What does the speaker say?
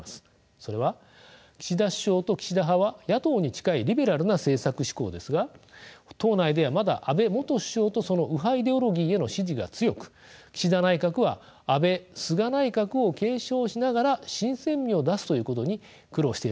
それは岸田首相と岸田派は野党に近いリベラルな政策志向ですが党内ではまだ安倍元首相とその右派イデオロギーヘの支持が強く岸田内閣は安倍・菅内閣を継承しながら新鮮味を出すということに苦労しているわけです。